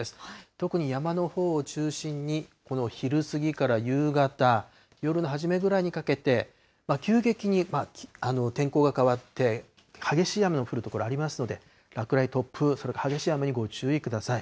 特に山のほうを中心に、この昼過ぎから夕方、夜の初めぐらいにかけて、急激に天候が変わって、激しい雨の降る所ありますので、落雷、突風、それから激しい雨にご注意ください。